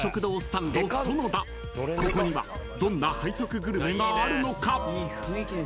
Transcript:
［ここにはどんな背徳グルメがあるのか？］